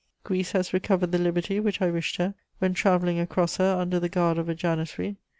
Greece has recovered the liberty which I wished her when travelling across her under the guard of a janissary.